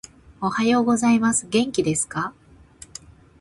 おはようございます。元気ですか？